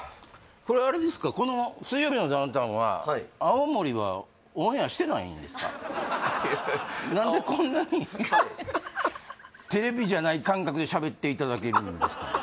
これはあれですか「水曜日のダウンタウン」は何でこんなにハッハハテレビじゃない感覚でしゃべっていただけるんですかね